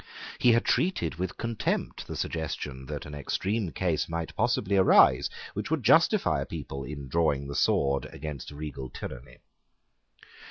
He had treated with contempt the suggestion that an extreme case might possibly arise which would justify a people in drawing the sword against regal tyranny.